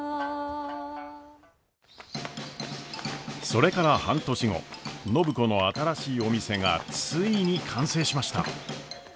それから半年後暢子の新しいお店がついに完成しました。